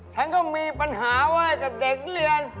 ฉันก็มีปัญหาว่าจะเด็กเรียน